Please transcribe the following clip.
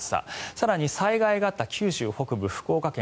更に、災害があった九州北部福岡県